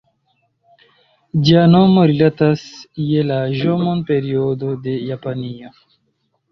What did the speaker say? Ĝia nomo rilatas je la ĵomon-periodo de Japanio.